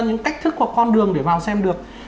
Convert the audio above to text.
những cách thức của con đường để vào xem được